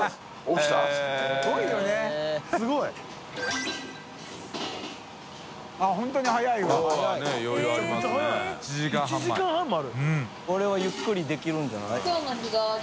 きむ）これはゆっくりできるんじゃない？